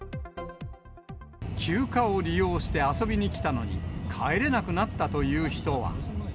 休暇を利用して遊びに来たのに、帰れなくなったという人は。